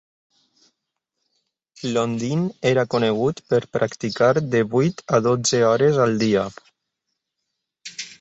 Londin era conegut per practicar de vuit a dotze hores al dia.